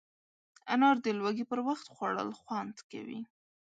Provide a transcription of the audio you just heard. انار د لوږې پر وخت خوړل خوند کوي.